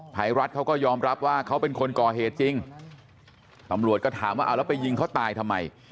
ภัยรัฐเขาก็ยอมรับว่าเขาเป็นคนก่อเหตุจริงตำรวจก็ถามว่าเอาแล้วไปยิงเขาตายทำไม